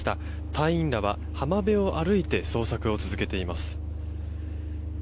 隊員らは浜辺を歩いて捜索を続けています。